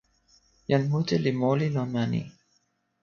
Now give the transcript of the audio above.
jan mute li moli lon ma ni.